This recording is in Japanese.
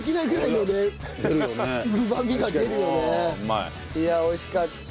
いや美味しかった。